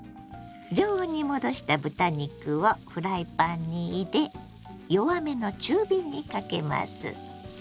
常温に戻した豚肉をフライパンに入れ弱めの中火にかけます。